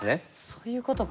そういうことか。